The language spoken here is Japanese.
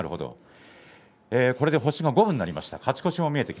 これで星五分になりました